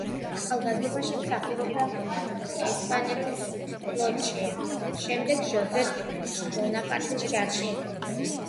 ახალგაზრდობაში მსახურობდა ესპანეთის ფლოტში, შემდეგ ჟოზეფ ბონაპარტის ჯარში იყო.